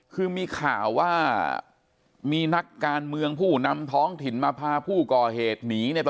คือมีข่าวว่ามีนักการเมืองผู้นำท้องถิ่นมาพาผู้ก่อเหตุหนีเนี่ย